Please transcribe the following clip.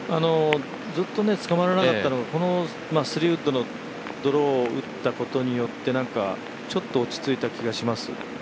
ずっとつかまらなかったのがこの３ウッドのドローを打ったことによって、ちょっと落ち着いた気がします。